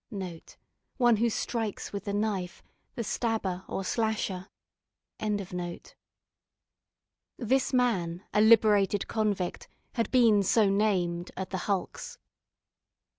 One who strikes with the knife; the stabber, or slasher. This man, a liberated convict, had been so named at the hulks.